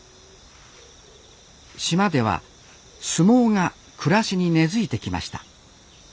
島では相撲が暮らしに根づいてきました。